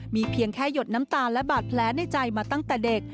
มีเพียงแค่หยดน้ำตาลและบาดแผลในใจมาตั้งแต่เด็ก